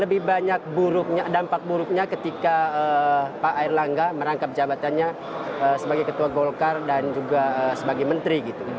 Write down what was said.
jadi saya kira lebih banyak dampak buruknya ketika pak erlangga merangkap jabatannya sebagai ketua golkar dan juga sebagai menteri